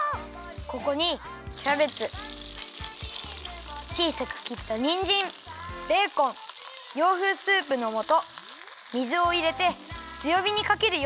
ここにキャベツちいさくきったにんじんベーコン洋風スープのもと水をいれてつよびにかけるよ！